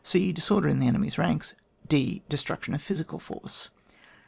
{c) Disorder in the enemy's ranks. {d) Destruction of physical force.